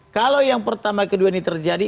kalau yang pertama kedua ini terjadi